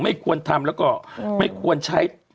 ไม่ควรทำแล้วก็ไม่ควรใช้